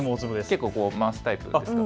結構、回すタイプですか。